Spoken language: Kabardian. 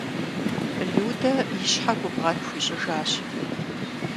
Людэ и щхьэ губгъэн хуищӀыжащ.